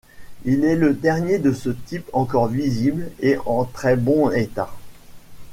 Il est le dernier de ce type encore visible et en très bon état.